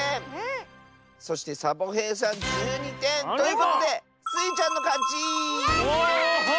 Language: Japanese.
そしてサボへいさん１２てん。ということでスイちゃんのかち！やった！